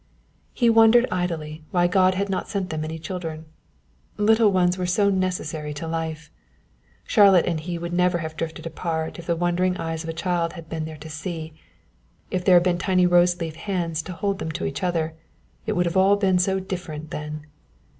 He wondered idly why God had not sent them any children. Little ones were so necessary to life. Charlotte and he would never have drifted apart if the wondering eyes of a child had been there to see if there had been tiny roseleaf hands to hold them to each other. It would all have been so different then.